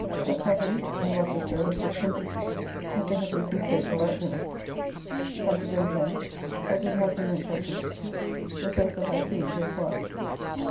At Chatham and Rochester the ships and bridge. Mr. Hetly's mistake about dinner. Come to Gravesend. A good handsome wench I kissed, the first that I have seen a great while.